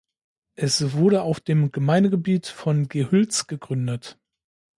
Es wurde auf dem Gemeindegebiet von Gehülz gegründet.